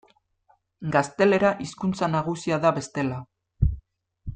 Gaztelera hizkuntza nagusia da bestela.